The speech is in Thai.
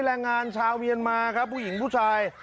แรงงานชาวเมียนมาครับผู้หญิงผู้ชาย